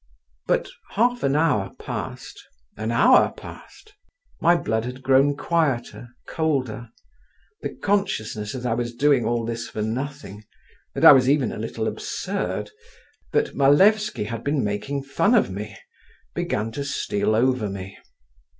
But half an hour passed, an hour passed; my blood had grown quieter, colder; the consciousness that I was doing all this for nothing, that I was even a little absurd, that Malevsky had been making fun of me, began to steal over me.